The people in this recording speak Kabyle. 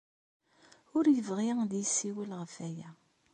Ur yebɣi ad d-yessiwel ɣef waya.